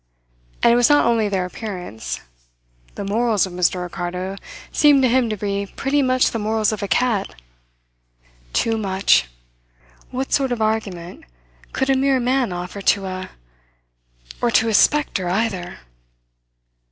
And it was not only their appearance. The morals of Mr. Ricardo seemed to him to be pretty much the morals of a cat. Too much. What sort of argument could a mere man offer to a ... or to a spectre, either!